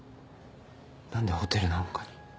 何でホテルなんかに。